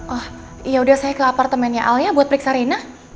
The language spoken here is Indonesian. oh yaudah saya ke apartemennya al ya buat periksa rena